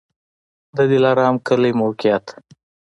د دلارام کلی موقعیت